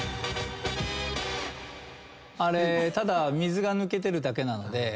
ただ水が抜けてるだけなので。